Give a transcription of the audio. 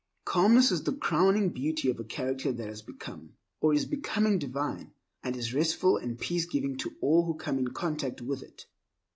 Calmness is the crowning beauty of a character that has become, or is becoming, divine, and is restful and peace giving to all who come in contact with it.